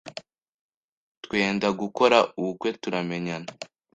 twenda gukora ubukwe turamenyana,